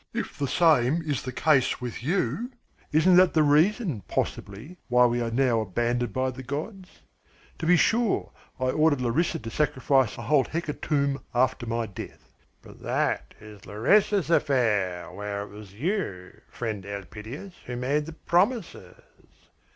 If the same is the case with you, isn't that the reason, possibly, why we are now abandoned by the gods? To be sure, I ordered Larissa to sacrifice a whole hecatomb after my death." "But that is Larissa's affair, whereas it was you, friend Elpidias, who made the promises."